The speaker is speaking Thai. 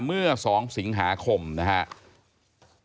เมื่อ๒สิงหาคมนะครับ